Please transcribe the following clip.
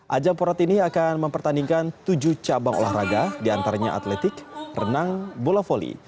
ajang porot ini akan mempertandingkan tujuh cabang olahraga diantaranya atletik renang bola volley